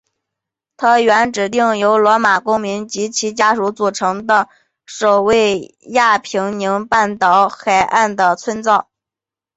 它原指由罗马公民及其家属组成的守卫亚平宁半岛海岸的村社。